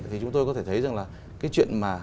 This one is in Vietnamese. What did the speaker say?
thì chúng tôi có thể thấy rằng là cái chuyện mà